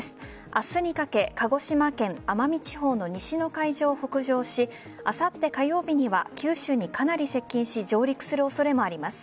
明日にかけ鹿児島県奄美地方の西の海上を北上しあさって火曜日には九州にかなり接近し上陸する恐れもあります。